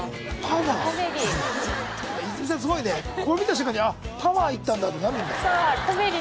これ見た瞬間に「パワー行ったんだ」ってなるんだ。